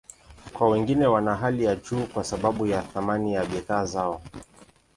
Kwa wengine, wana hali ya juu kwa sababu ya thamani ya bidhaa zao.